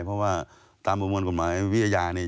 เพราะว่าตามประมวลกฎหมายวิทยาเนี่ย